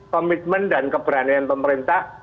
komitmen dan keberanian pemerintah